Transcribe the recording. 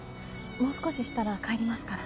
もう少ししたら帰りますから。